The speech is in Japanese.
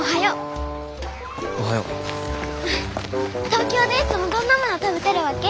東京でいつもどんなもの食べてるわけ？